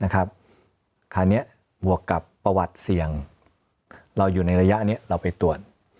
คราวนี้บวกกับประวัติเสี่ยงเราอยู่ในระยะนี้เราไปตรวจ